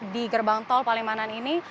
di gerbang tol palimanan ini